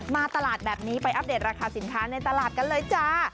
มาตลาดแบบนี้ไปอัปเดตราคาสินค้าในตลาดกันเลยจ้า